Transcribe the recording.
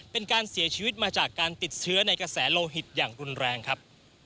เป็นการเสียชีวิตมาจากการติดเชื้อในกระแสโลหิตอย่างรุนแรงครับ